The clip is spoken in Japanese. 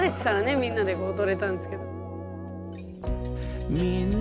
みんなで踊れたんですけど。